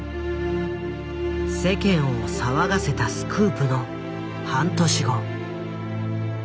世間を騒がせたスクープの半年後。